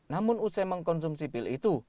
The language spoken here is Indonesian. namun usai mengkonsumsi pil itu